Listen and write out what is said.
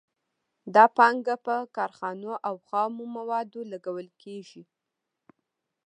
دا پانګه په کارخانو او خامو موادو لګول کېږي